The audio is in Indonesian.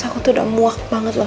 aku tuh udah muak banget loh